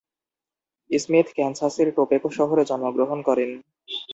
Smith ক্যানসাসের Topeka শহরে জন্মগ্রহণ করেন।